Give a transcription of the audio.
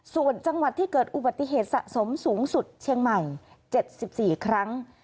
ส่วนจังหวัดที่เกิดอุบัติเหตุสะสมสูงสุดเชียงใหม่๗๔ครั้ง